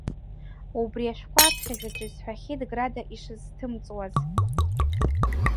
Убри ашәҟәы аԥхьажәаҿы исҳәахьеит града ишызҭымҵуаз.